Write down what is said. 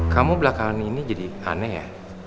kamu belakangan ini jadi aneh ya